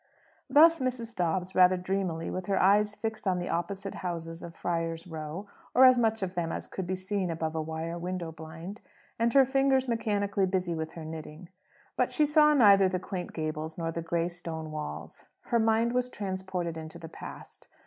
Thus Mrs. Dobbs, rather dreamily, with her eyes fixed on the opposite houses of Friar's Row or as much of them as could be seen above a wire window blind and her fingers mechanically busy with her knitting. But she saw neither the quaint gables nor the gray stone walls. Her mind was transported into the past.